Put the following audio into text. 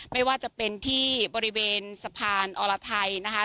ไม่ว่าจะเป็นที่บริเวณสะพานอรไทยนะคะ